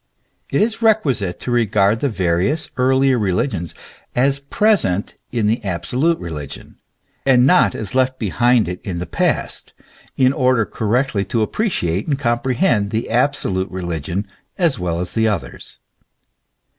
It is requisite to regard the various earlier religions as present in the absolute religion, and not as left hehind it in the past, in order correctly to appreciate and comprehend the absolute religion as well as the others.